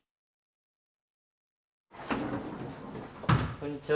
こんにちは。